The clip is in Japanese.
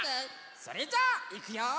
それじゃあいくよ！